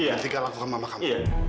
tinggal lakukan mama kamu